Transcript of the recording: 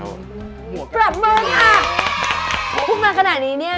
พูดมาขนาดนี้เนี่ย